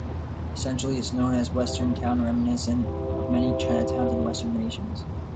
Essentially, it's known as "Western Town," reminiscent of many Chinatowns in Western nations.